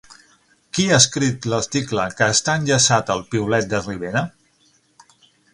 Qui ha escrit l'article que està enllaçat al piulet de Rivera?